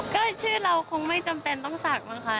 ก็ชื่อเราคงไม่จำเป็นต้องศักดิ์มั้งค่ะ